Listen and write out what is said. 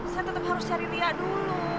saya tetep harus cari lia dulu